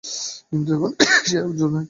কিন্তু এখন দেখছি, সে হবার জো নেই।